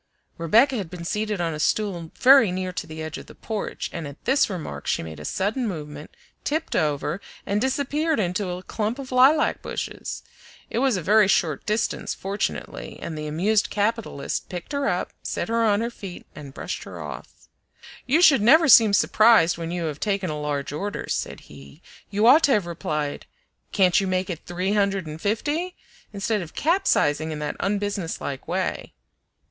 Rebecca had been seated on a stool very near to the edge of the porch, and at this remark she made a sudden movement, tipped over, and disappeared into a clump of lilac bushes. It was a very short distance, fortunately, and the amused capitalist picked her up, set her on her feet, and brushed her off. "You should never seem surprised when you have taken a large order," said he; "you ought to have replied 'Can't you make it three hundred and fifty?' instead of capsizing in that unbusinesslike way."